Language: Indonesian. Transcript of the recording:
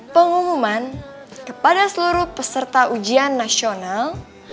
pengumuman kepada seluruh peserta ujian nasional